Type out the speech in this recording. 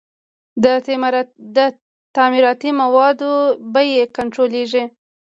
د تعمیراتي موادو بیې کنټرولیږي؟